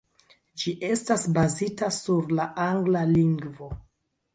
Ĝi estas bazita sur la angla lingvo.